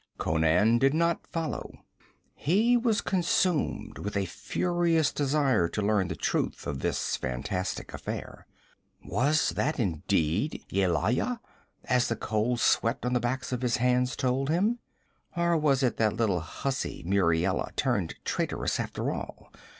Conan did not follow. He was consumed with a furious desire to learn the truth of this fantastic affair. Was that indeed Yelaya, as the cold sweat on the backs of his hands told him, or was it that little hussy Muriela, turned traitress after all?